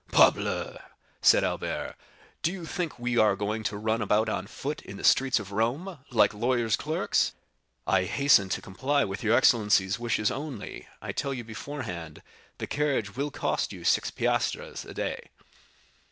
"Parbleu!" said Albert, "do you think we are going to run about on foot in the streets of Rome, like lawyers' clerks?" "I hasten to comply with your excellencies' wishes; only, I tell you beforehand, the carriage will cost you six piastres a day."